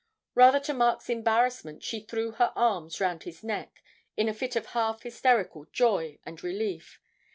Rather to Mark's embarrassment, she threw her arms round his neck in a fit of half hysterical joy and relief.